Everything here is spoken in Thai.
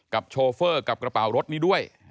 โชเฟอร์กับกระเป๋ารถนี้ด้วย